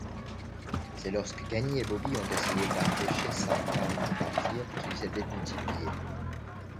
C'est lorsque Gunny et Bobby ont essayé d'empêcher Saint-Dane de partir qu'il s'est démultiplié.